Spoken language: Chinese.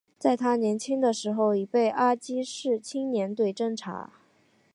在他年轻的时候已被阿积士青年队侦察。